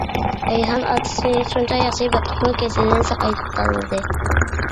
رەيھان ئاتىسىنى شۇنچە ياخشى بېقىپمۇ كېسىلىنى ساقايتالمىدى.